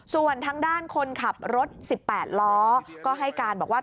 ส่วนทางด้านคนขับรถ๑๘ล้อก็ให้การบอกว่า